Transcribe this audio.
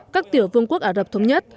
các tiểu vương quốc ả rập thống nhất